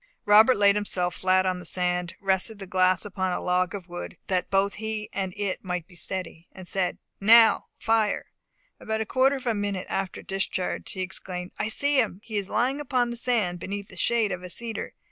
Robert laid himself flat on the sand, rested the glass upon a log of wood, that both he and it might be steady, and said, "Now fire!" About a quarter of a minute after the discharge he exclaimed, "I see him! He is lying upon the sand beneath the shade of a cedar.